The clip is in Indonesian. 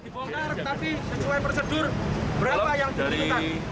dibongkar tapi sesuai prosedur berapa yang dihentikan